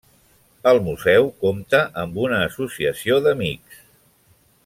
El Museu compta amb una associació d'amics.